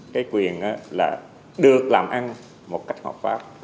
cái quyền là được làm ăn một cách hợp pháp